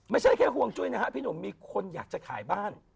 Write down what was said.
ไม่ใช่แค่ห่วงจุ้ยนะฮะพี่หนุ่มมีคนอยากจะขายบ้าน